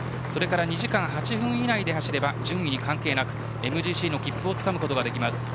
２時間８分以内なら順位に関係なくＭＧＣの切符をつかむことができます。